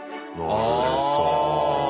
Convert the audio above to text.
なるへそ。